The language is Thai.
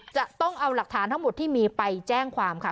จะต้องเอาหลักฐานทั้งหมดที่มีไปแจ้งความค่ะ